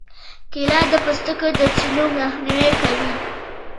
کېله د پوستکي د چینو مخنیوی کوي.